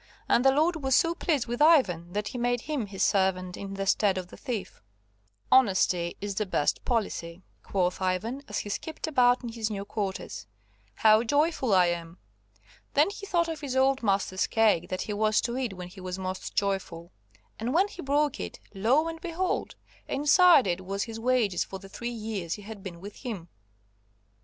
And the lord was so pleased with Ivan that he made him his servant in the stead of the thief. "Honesty's the best policy!" quoth Ivan, as he skipped about in his new quarters. "How joyful I am!" Then he thought of his old master's cake that he was to eat when he was most joyful, and when he broke it, lo and behold, inside it was his wages for the three years he had been with him.